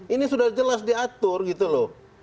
ini sudah jelas diatur gitu loh